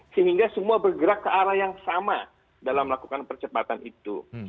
sehingga semua bergerak ke arah yang sama dalam melakukan percepatan itu